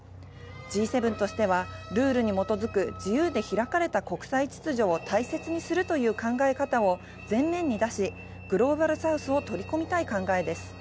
Ｇ７としては、ルールに基づく自由で開かれた国際秩序を大切にするという考え方を前面に出し、グローバルサウスを取り込みたい考えです。